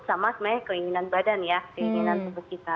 sama sebenarnya keinginan badan ya keinginan tubuh kita